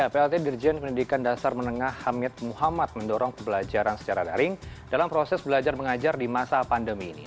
plt dirjen pendidikan dasar menengah hamid muhammad mendorong pembelajaran secara daring dalam proses belajar mengajar di masa pandemi ini